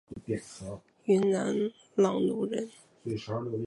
云南浪穹人。